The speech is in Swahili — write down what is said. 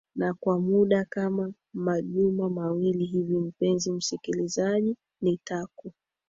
na kwa muda kama majuma mawili hivi mpenzi msikilizaji nitaku